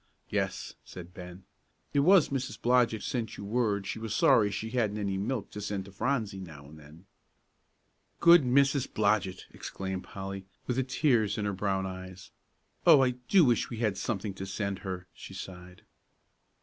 "Yes," said Ben; "it was Mrs. Blodgett sent you word she was sorry she hadn't any milk to send to Phronsie now and then." "Good Mrs. Blodgett!" exclaimed Polly, with the tears in her brown eyes. "Oh, I do wish we had something to send her!" she sighed.